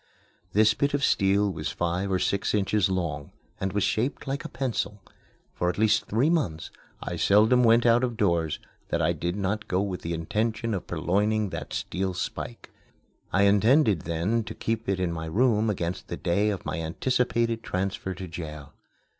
This bit of steel was five or six inches long, and was shaped like a pencil. For at least three months, I seldom went out of doors that I did not go with the intention of purloining that steel spike. I intended then to keep it in my room against the day of my anticipated transfer to jail.